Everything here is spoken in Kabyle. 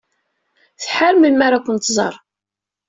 Tḥar melmi ara ken-tẓer.